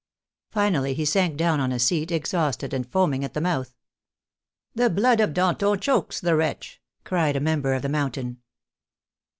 Finally he sank down on a seat, exhausted, and foaming at the mouth. " The blood of Danton chokes the wretch," cried a member of the Mountain.